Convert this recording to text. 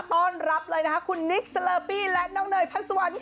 ต้อนรับเลยคุณนิคเซลอร์ปี้และน้องเนยพันธุ์สวรรค์ค่ะ